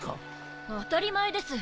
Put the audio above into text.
当たり前です